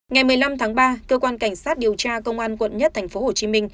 ngày một mươi năm tháng ba cơ quan cảnh sát điều tra công an quận một tp hcm